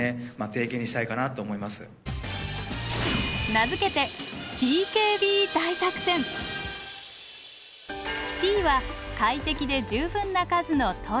名付けて「Ｔ」は快適で十分な数のトイレ。